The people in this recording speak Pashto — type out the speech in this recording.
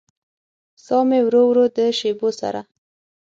ساه مې ورو ورو د شېبو سره